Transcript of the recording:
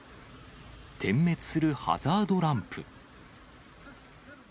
点滅するハザードランプ。